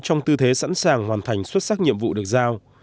trong tư thế sẵn sàng hoàn thành xuất sắc nhiệm vụ được giao